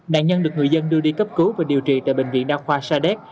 nạn nhân được người dân đưa đi cấp cứu và điều trị tại bệnh viện đa khoa sa đéc